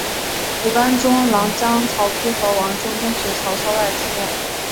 五官中郎将曹丕和王忠跟随曹操外出。